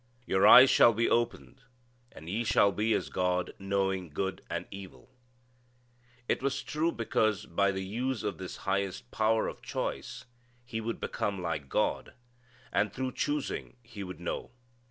"Your eyes shall be opened, and ye shall be as God knowing good and evil." It was true because by the use of this highest power of choice he would become like God, and through choosing he would know.